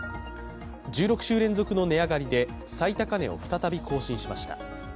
１６週連続の値上がりで最高値を再び更新しました。